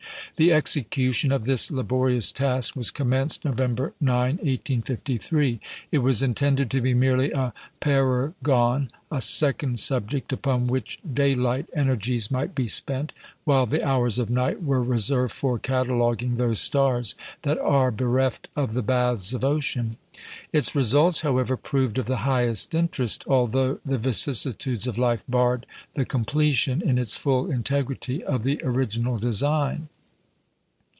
The execution of this laborious task was commenced November 9, 1853. It was intended to be merely a parergon a "second subject," upon which daylight energies might be spent, while the hours of night were reserved for cataloguing those stars that "are bereft of the baths of ocean." Its results, however, proved of the highest interest, although the vicissitudes of life barred the completion, in its full integrity, of the original design.